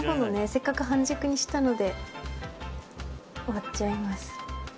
せっかく半熟にしたので割っちゃいます。